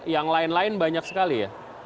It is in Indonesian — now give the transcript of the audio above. yang lain lain banyak sekali ya